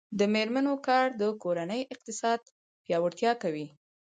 د میرمنو کار د کورنۍ اقتصاد پیاوړتیا کوي.